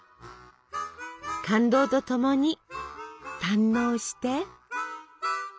感動と共に堪能して！